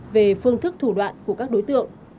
về phương thức thủ đoạn của các đối tượng